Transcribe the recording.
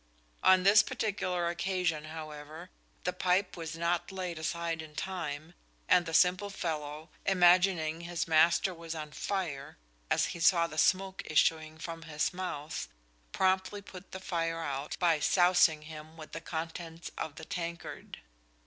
On this particular occasion, however, the pipe was not laid aside in time, and the "Simple Fellow," imagining his master was on fire, as he saw the smoke issuing from his mouth, promptly put the fire out by sousing him with the contents of the tankard.